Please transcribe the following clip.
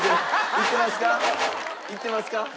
いってますか？